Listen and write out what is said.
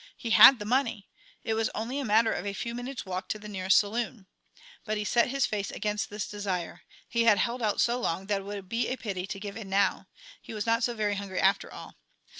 He had the money; it was only a matter of a few minutes' walk to the nearest saloon. But he set his face against this desire; he had held out so long that it would be a pity to give in now; he was not so very hungry after all.